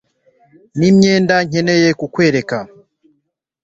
nimyenda nkeneye kukwereka